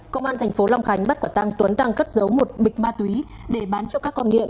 công an thành phố long khánh bắt quả tăng tuấn đang cất giấu một bịch ma túy để bán cho các con nghiện